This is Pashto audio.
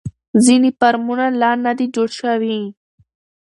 ځینې فارمونه لا نه دي جوړ شوي.